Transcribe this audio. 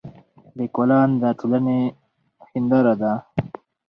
لیکوالان د ټولنې هنداره ده.